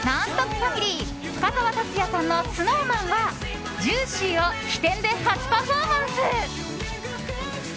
ファミリー深澤辰哉さんのＳｎｏｗＭａｎは「ＪＵＩＣＹ」を飛天で初パフォーマンス！